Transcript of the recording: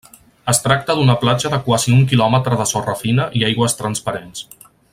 Es tracta d'una platja de quasi un quilòmetre de sorra fina i aigües transparents.